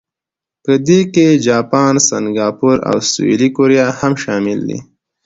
په دې کې جاپان، سنګاپور او سویلي کوریا هم شامل دي.